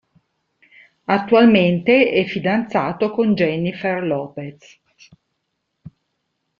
Attualmente è fidanzato con "Jennifer Lopez.